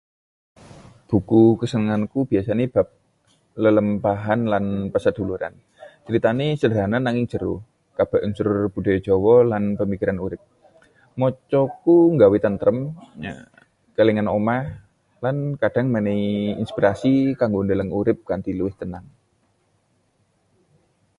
Buku kasenenganku biasane bab lelampahan lan paseduluran—critane sederhana nanging jero, kebak unsur budaya Jawa lan pamikiran urip. Maca ku nggawe tentrem, kelingan omah, lan kadhang menehi inspirasi kanggo ndeleng urip kanthi luwih tenang.